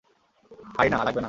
High না, লাগবেনা।